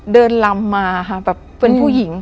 เดินลำมาค่ะแบบเป็นผู้หญิง